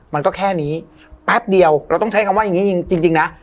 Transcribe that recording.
มันก็แค่นี้แป๊บเดียวเราต้องใช้คำว่าอย่างนี้จริงนะ